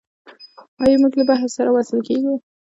آیا موږ له بحر سره وصل کیږو؟